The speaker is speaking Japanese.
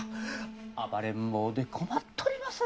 暴れん坊で困っとります。